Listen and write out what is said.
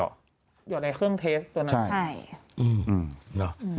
หยอดในเครื่องเทสตัวนั้น